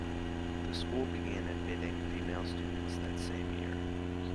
The school began admitting female students that same year.